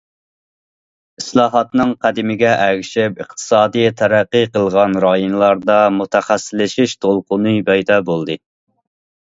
ئىسلاھاتنىڭ قەدىمىگە ئەگىشىپ، ئىقتىسادى تەرەققىي قىلغان رايونلاردا مۇتەخەسسىسلىشىش دولقۇنى پەيدا بولدى.